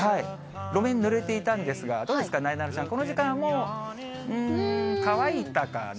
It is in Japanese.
路面、ぬれていたんですが、どうですか、なえなのちゃん、この時間、もう、乾いたかな。